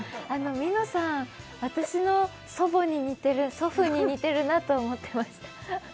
みのさん、私の祖母に祖父に似てるなと思ってました。